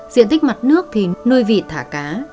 diện tích mặt nước thì nuôi vịt thả cá